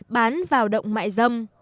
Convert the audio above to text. bán vào động mại dâm